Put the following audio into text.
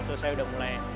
itu saya sudah mulai